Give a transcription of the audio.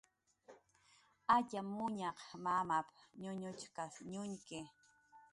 "Acxamuñaq mamap"" ñuñuchkas ñuñki"